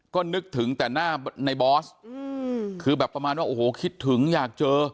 ก็นึกถึงแต่หน้าในบอสคือแบบประมาณว่าโอ้โหคิดถึงอยากเจอ